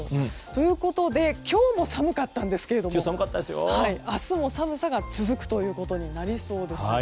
ということで今日も寒かったんですけど明日も寒さが続くということになりそうです。